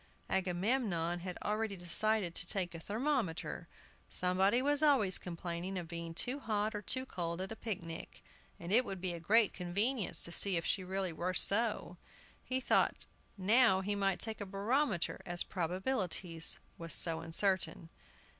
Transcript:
Agamemnon had already decided to take a thermometer; somebody was always complaining of being too hot or too cold at a picnic, and it would be a great convenience to see if she really were so. He thought now he might take a barometer, as "Probabilities" was so uncertain.